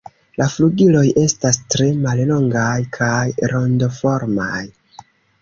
La flugiloj estas tre mallongaj kaj rondoformaj.